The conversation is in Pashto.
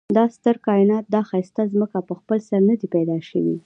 دا ستر کاينات دا ښايسته ځمکه په خپل سر ندي پيدا شوي